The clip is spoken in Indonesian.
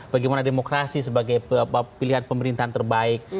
bagaimana demokrasi sebagai pilihan pemerintahan terbaik